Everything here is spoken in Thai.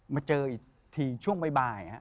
มาเจออีกทีช่วงบ่าย